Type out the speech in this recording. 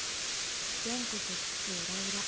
［全国津々浦々